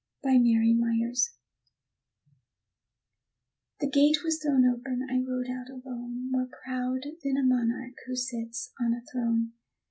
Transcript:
HOW SALVATOR WON The gate was thrown open, I rode out alone, More proud than a monarch who sits on a throne.